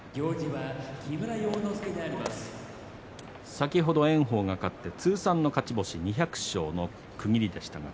先ほど炎鵬が勝って通算２００勝の区切りでした。